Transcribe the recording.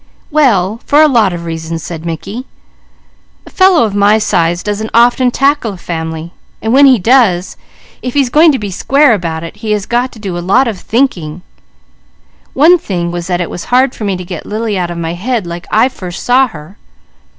"Well, for a lot of reasons," said Mickey. "A fellow of my size doesn't often tackle a family, and when he does, if he's going to be square about it, he has got to do a lot of thinking. One thing was that it's hard for me to get Lily out my head like I first saw her.